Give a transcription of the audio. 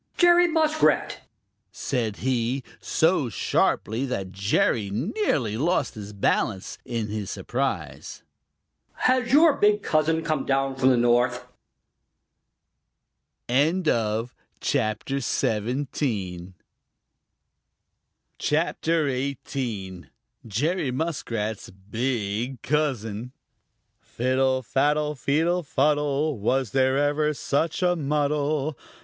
"Jerry Muskrat," said he, so sharply that Jerry nearly lost his balance in his surprise, "has your big cousin come down from the North?" CHAPTER XVIII: Jerry Muskrat's Big Cousin Fiddle, faddle, feedle, fuddle! Was there ever such a muddle?